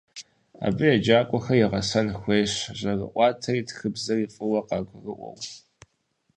Абы еджакӏуэхэр иригъэсэн хуейщ жьэрыӏуатэри тхыбзэри фӏыуэ къагурыӏуэу.